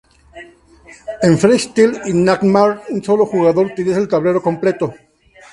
En Freestyle y Nightmare un sólo jugador utiliza el tablero completo.